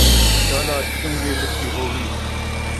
شالا چنگی لکھی ہووی